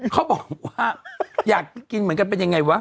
เขาบอกว่าอยากกินเหมือนกันเป็นยังไงวะ